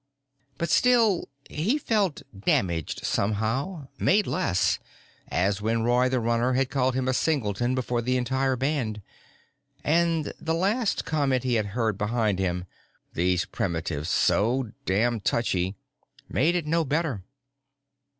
But still, he felt damaged somehow, made less as when Roy the Runner had called him a singleton before the entire band. And the last comment he had heard behind him "These primitives: so damned touchy!" made it no better.